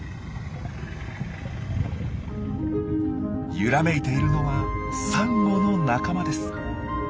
揺らめいているのはサンゴの仲間です。